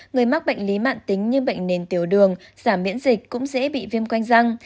người mắc bệnh lý mạng tính như bệnh nền tiểu đường giảm miễn dịch cũng dễ bị viêm quanh răng